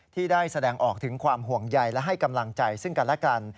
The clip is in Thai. ที่ได้แสดงออกถึงความห่วงใยและให้กำลังใจซึ่งกันและกัน